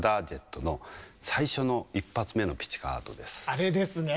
あれですね。